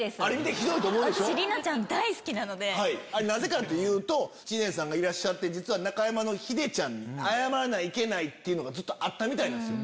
あれなぜかっていうと知念さんがいらっしゃって実は中山のヒデちゃんに謝らないといけないっていうのがずっとあったみたいなんですよ。